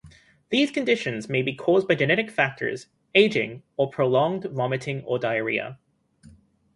These conditions may be caused by genetic factors, ageing, or prolonged vomiting or diarrhea.